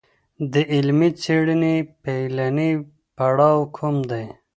د علمي څېړني پیلنی پړاو کوم دی؟